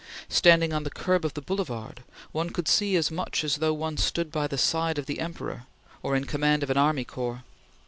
Standing on the curb of the Boulevard, one could see as much as though one stood by the side of the Emperor or in command of an army corps.